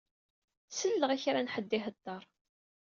Selleɣ i kra n ḥedd iheddeṛ.